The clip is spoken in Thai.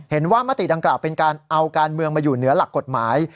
มติดังกล่าวเป็นการเอาการเมืองมาอยู่เหนือหลักกฎหมาย